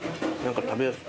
食べやすく。